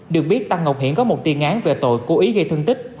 được biết tăng ngọc hiển có một tiên án về tội cố ý gây thân tích